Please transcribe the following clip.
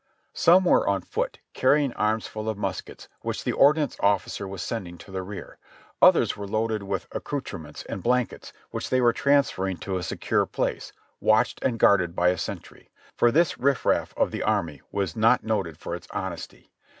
Some were on foot, carrying arms full of muskets which the ordnance officer was sending to the rear; others were loaded with accoutrements and blankets which they were transferring to a secure place, watched and guarded by a sentry ; for this riff raff of the army was not noted for its honesty.